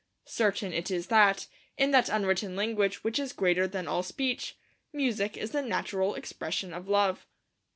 Certain it is that, in that unwritten language which is greater than all speech, Music is the natural expression of Love.